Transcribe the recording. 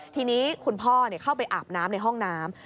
ทีนี้คุณพ่อเข้าไปอาบน้ำในห้องน้ำ